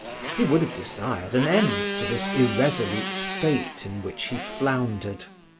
He would have desired an end to this irresolute state in which he floundered.